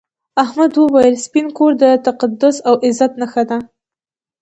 احمد وویل سپین کور د تقدس او عزت نښه ده.